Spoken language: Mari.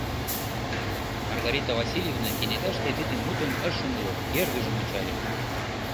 — Маргарита Васильевна кенеташте тиде мутым ыш умыло, эргыжым ончале.